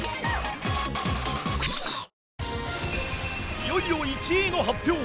いよいよ１位の発表